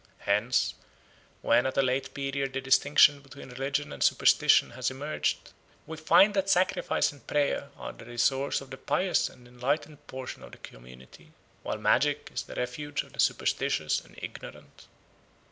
Hence, when at a late period the distinction between religion and superstition has emerged, we find that sacrifice and prayer are the resource of the pious and enlightened portion of the community, while magic is the refuge of the superstitious and ignorant.